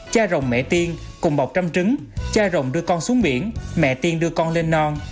cha rồng mẹ tiên cùng bọc trăm trứng đưa con xuống biển mẹ tiên đưa con lên non